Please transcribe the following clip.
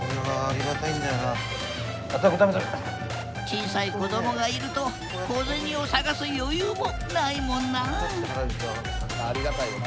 小さい子どもがいると小銭を探す余裕もないもんなあありがたいよ